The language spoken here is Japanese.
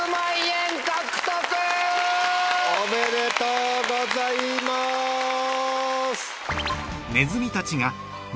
おめでとうございます。